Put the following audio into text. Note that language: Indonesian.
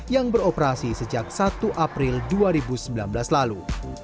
yang beroperasi sejak satu april dua ribu sembilan belas lalu